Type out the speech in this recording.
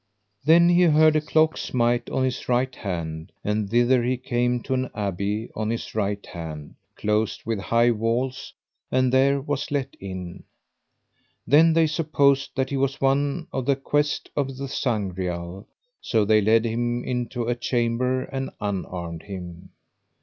Then he heard a clock smite on his right hand; and thither he came to an abbey on his right hand, closed with high walls, and there was let in. Then they supposed that he was one of the quest of the Sangreal, so they led him into a chamber and unarmed him.